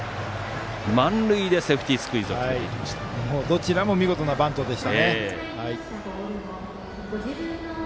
満塁でセーフティースクイズをどちらも見事なバントでした。